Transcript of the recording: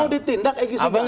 mau ditindak egy sujana